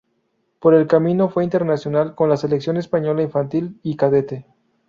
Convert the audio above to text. Por el camino fue internacional con la selección española infantil y cadete.